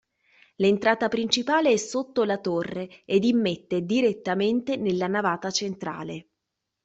L'entrata principale è sotto la torre ed immette direttamente nella navata centrale.